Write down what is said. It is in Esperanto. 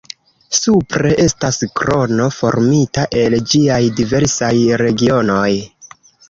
Supre estas krono formita el ĝiaj diversaj regionoj.